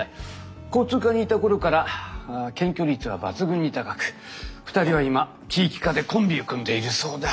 交通課にいた頃から検挙率は抜群に高く２人は今地域課でコンビを組んでいるそうだ。